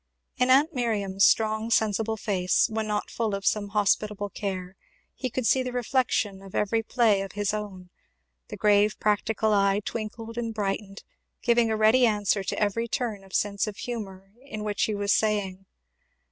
In aunt Miriam's strong sensible face, when not full of some hospitable care, he could see the reflection of every play of his own; the grave practical eye twinkled and brightened, giving a ready answer to every turn of sense or humour in what he was saying.